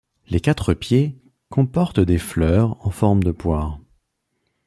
Les quatre pieds comportent des fleurs en forme de poire.